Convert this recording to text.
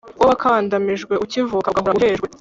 wowe wakandamijwe ukivuka ugahora uhejwe